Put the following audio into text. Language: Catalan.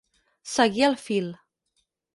Seguir el fil.